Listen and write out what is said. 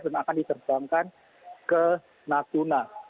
dan akan diterbangkan ke natuna